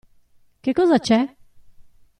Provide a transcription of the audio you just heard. Che cosa c'è?